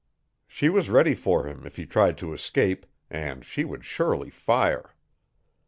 She was ready for him if he tried to escape, and she would surely fire.